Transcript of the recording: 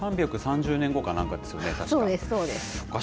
３３０年後かなんかですよね、確か。